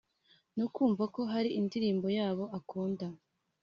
no kumva ko hari indirimbo yabo akunda